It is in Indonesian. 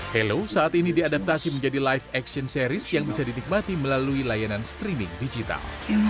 hello saat ini diadaptasi menjadi live action series yang bisa dinikmati melalui layanan streaming digital